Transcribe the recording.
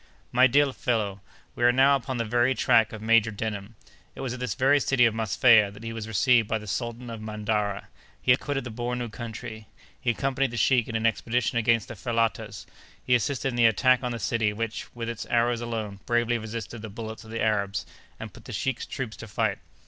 "My dear fellow, we are now upon the very track of Major Denham. It was at this very city of Mosfeia that he was received by the Sultan of Mandara; he had quitted the Bornou country; he accompanied the sheik in an expedition against the Fellatahs; he assisted in the attack on the city, which, with its arrows alone, bravely resisted the bullets of the Arabs, and put the sheik's troops to flight.